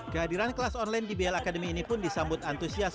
kehadiran kelas online dbl academy ini pun disambut antusias